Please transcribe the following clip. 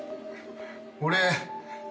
俺。